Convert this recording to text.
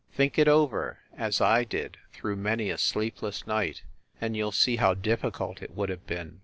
Think it over (as I did through many a sleepless night) and you ll see huw difficult it would have been.